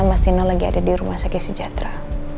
mas tino lagi ada di rumah saya sejatera